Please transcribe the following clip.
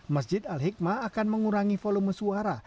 masjid al hikmah akan mengurangi volume suara